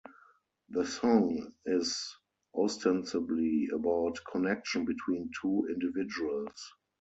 The song is ostensibly about "connection" between two individuals.